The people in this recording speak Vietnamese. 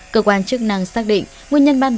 cơ quan chức năng xác định nguyên nhân ban tài xế